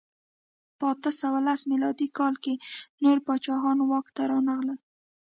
په اته سوه لس میلادي کال کې نور پاچاهان واک ته رانغلل.